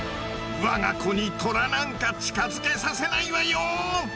我が子にトラなんか近づけさせないわよ！